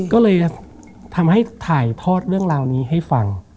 ก็เลยทำให้ถ่ายทอดเรื่องราวนี้ให้ฟัง